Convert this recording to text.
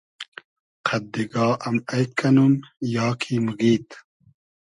قئد دیگا ام اݷد کئنوم یا کی موگیید؟